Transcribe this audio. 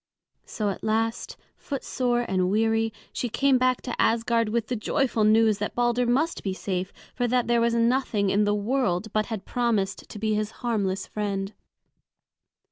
So at last, footsore and weary, she came back to Asgard with the joyful news that Balder must be safe, for that there was nothing in the world but had promised to be his harmless friend.